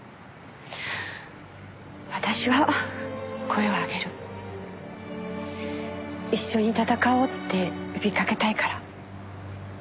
「私は声を上げる」「一緒に戦おうって呼びかけたいから」